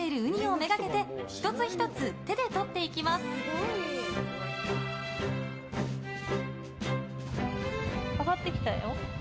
上がってきたよ。